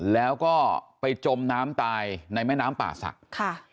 แล้วก็ไปจมน้ำตายในแม่น้ำป่าศักดิ์ค่ะ